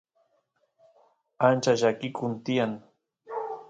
ancha llakikun tiyan